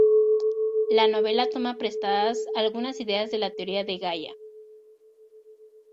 La novela toma prestadas algunas ideas de la Teoría de Gaia.